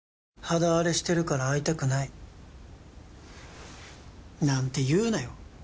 肌あれしてるから会いたくないなんて言うなよ